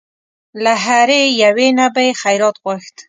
له هرې یوې نه به یې خیرات غوښت.